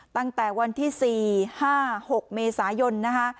ตั้งแต่วันที่๔๕๖เมษายนนะคะ